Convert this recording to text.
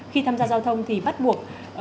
khi tham gia giao thông thì bắt buộc